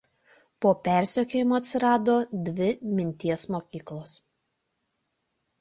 Po persekiojimų atsirado dvi minties mokyklos.